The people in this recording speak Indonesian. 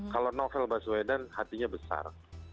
kalau novel baswedan hatinya besar